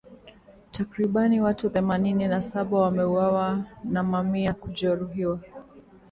Takribani watu themanini na saba wameuawa na mamia kujeruhiwa .